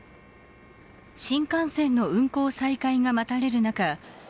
新幹線の運行再開が待たれる中